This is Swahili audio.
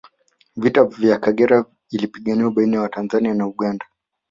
vita ya Kagera ilipiganwa baina ya tanzania na uganda